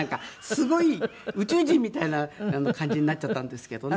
すごい宇宙人みたいな感じになっちゃったんですけどね。